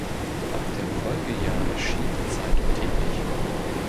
Ab dem Folgejahr erschien die Zeitung täglich.